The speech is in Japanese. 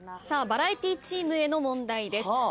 さあバラエティチームへの問題です。